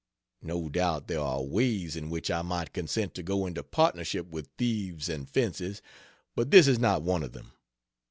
No doubt there are ways in which I might consent to go into partnership with thieves and fences, but this is not one of them.